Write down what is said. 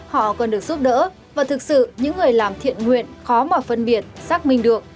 họ còn được giúp đỡ và thực sự những người làm thiện nguyện khó mà phân biệt xác minh được